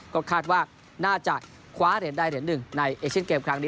ก็คาดว่าน่าจะคว้าเหรียญใดเหรียญหนึ่งในเอเชียนเกมครั้งนี้